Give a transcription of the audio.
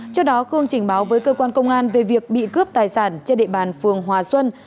trước đó khương trình báo với cơ quan công an về việc bị cướp tài sản trên địa bàn phường hòa xuân